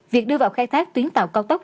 việc đưa vào khai thác tuyến tàu cao tốc